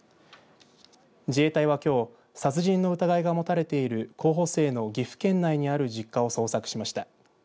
自衛隊はきょう殺人の疑いが持たれている候補生の岐阜県内にある実家を捜索しました。